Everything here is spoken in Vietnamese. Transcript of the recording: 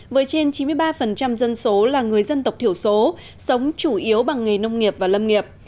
với trên chín mươi ba dân số là người dân tộc thiểu số sống chủ yếu bằng nghề nông nghiệp và lâm nghiệp